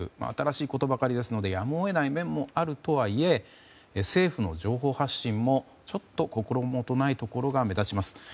新しいことばかりですのでやむを得ない面もあるとはいえ政府の情報発信もちょっと心もとないところが目立ちます。